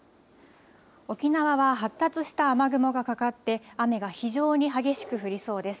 沖縄は発達した雨雲がかかって雨が非常に激しく降りそうです。